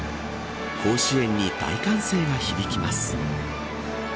甲子園に大歓声が響きます。